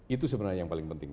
itu sebenarnya yang paling penting